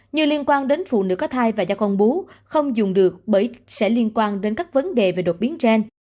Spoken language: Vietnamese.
như liên quan đến phụ nữ có thai và do con bú không dùng được bởi sẽ liên quan đến các vấn đề về đột biến gen